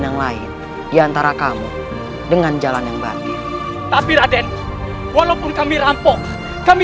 yang lain diantara kamu dengan jalan yang banti tapi raden walaupun kami rampok kami